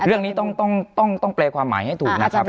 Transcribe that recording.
เรื่องนี้ต้องแปลความหมายให้ถูกนะครับ